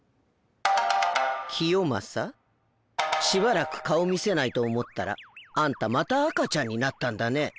しばらく顔見せないと思ったらあんたまた赤ちゃんになったんだね。